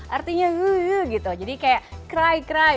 artinya yu yu gitu jadi kayak keras